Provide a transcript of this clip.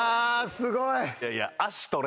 すごい。